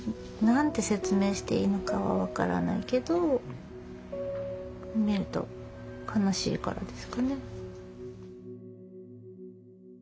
何て説明していいのかは分からないけど見ると悲しいからですかね。